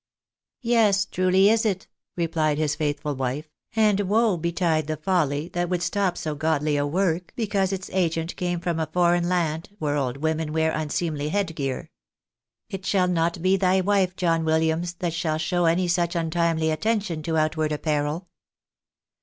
" Yes, truly is it," replied his faithful wife ;" and woe betide the folly that would stop so godly a work, because its agent came from a foreign land, where old women wear unseemly head gear. It shall not be thy wife, John Williams, that shall show any such untimely attention to outward apparel."